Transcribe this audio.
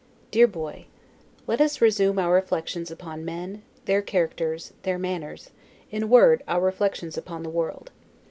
DEAR BOY: Let us resume our reflections upon men, their characters, their manners, in a word, our reflections upon the world.